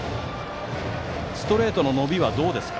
ストレートの伸びはどうですか。